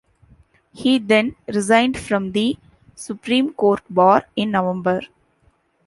He then resigned from the Supreme Court bar in November.